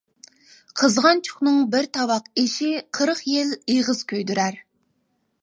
قىزغانچۇقنىڭ بىر تاۋاق ئېشى قىرىق يىل ئېغىز كۆيدۈرەر.